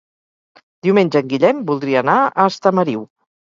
Diumenge en Guillem voldria anar a Estamariu.